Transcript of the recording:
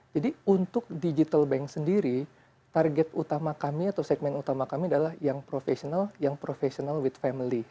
jadi untuk digital bank sendiri target utama kami atau segmen utama kami adalah yang profesional yang profesional with family